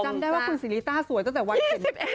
จำได้ว่าคุณศรีริตาสวยตั้งแต่วันเห็นมีนาคม